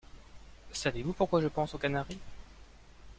Savez-vous pourquoi je pense au canari?